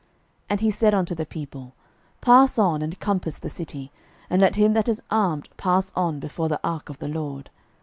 06:006:007 And he said unto the people, Pass on, and compass the city, and let him that is armed pass on before the ark of the LORD.